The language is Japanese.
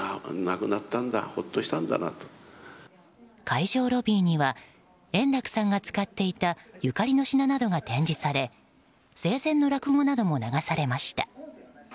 会場ロビーには円楽さんが使っていたゆかりの品などが展示され生前の落語なども流されました。